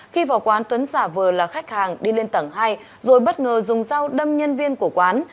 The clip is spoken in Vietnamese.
khi vào quán tuấn giả vờ là khách hàng đi lên tầng hai rồi bất ngờ dùng dao đâm nhân viên của quán